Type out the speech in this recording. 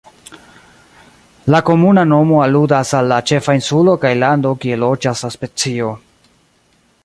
La komuna nomo aludas al la ĉefa insulo kaj lando kie loĝas la specio.